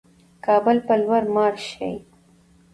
کابل پر لور مارش شي.